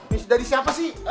misi dari siapa sih